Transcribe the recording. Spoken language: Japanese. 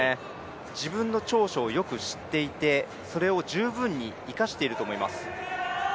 自分の長所をよく知っていてそれを十分に生かしていると思います。